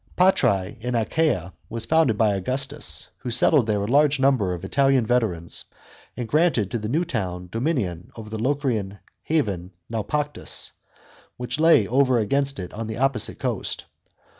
Patrae, in Achaea, was founded by Augustus, who settled there a large number of Italian veterans and granted to the now town dominion over the Locrian haven Naupactus, which lay over against it on the opposite coast.